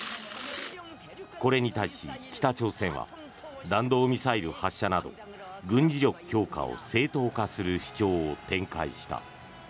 これに対し、北朝鮮は弾道ミサイル発射など軍事力強化を正当化する主張を展開した。